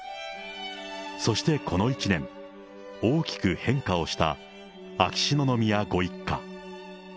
そしてこの一年、大きく変化をした秋篠宮ご一家。